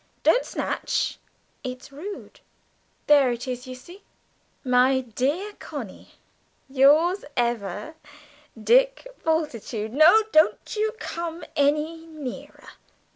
"Don't snatch ... it's rude; there it is, you see: 'My dear Connie' ... 'yours ever, Dick Bultitude.' No, you don't come any nearer